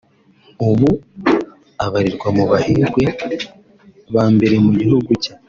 ubu abarirwa mu baherwe ba mbere mu gihugu cye